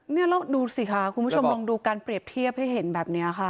นี่แล้วดูสิค่ะคุณผู้ชมลองดูการเปรียบเทียบให้เห็นแบบนี้ค่ะ